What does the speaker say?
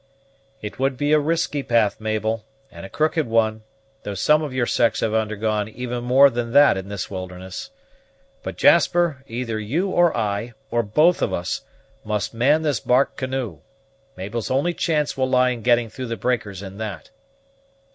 "It would be a risky path, Mabel, and a crooked one; though some of your sex have undergone even more than that in this wilderness. But, Jasper, either you or I, or both of us, must man this bark canoe; Mabel's only chance will lie in getting through the breakers in that."